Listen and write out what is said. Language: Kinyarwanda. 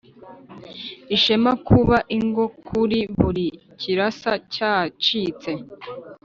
ishema kuba ingo kuri buri kirasa cyacitse,